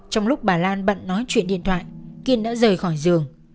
trong lúc bà lan bận nói chuyện điện thoại kiên đã rời khỏi giường